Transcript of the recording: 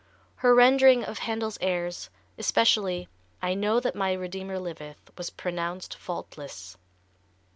Her rendering of Handel's airs, especially "I Know that My Redeemer Liveth," was pronounced faultless.